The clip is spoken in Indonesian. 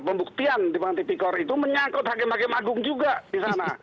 pembuktian di panggilan tv kor itu menyangkut hakim hakim agung juga di sana